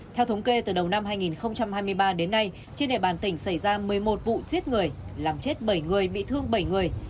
theo thống kê từ đầu năm hai nghìn hai mươi ba đến nay trên địa bàn tỉnh xảy ra một mươi một vụ giết người làm chết bảy người bị thương bảy người